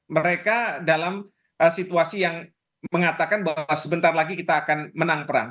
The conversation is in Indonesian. mereka dalam situasi yang mengatakan bahwa sebentar lagi kita akan menang perang